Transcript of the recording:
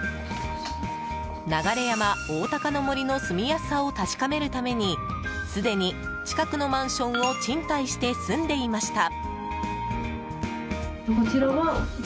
流山おおたかの森の住みやすさを確かめるためにすでに、近くのマンションを賃貸して住んでいました。